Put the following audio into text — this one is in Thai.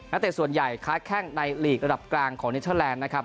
แล้วแต่ส่วนใหญ่แค่ในลีกระดับกลางของนิตเตอร์แลนด์นะครับ